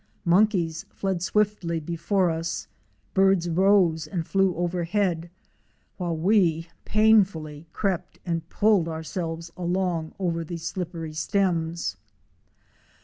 Mon keys fled swiftly before us, birds rose and flew overhead, while we painfully crept and pulled ourselves along over the slippery stems.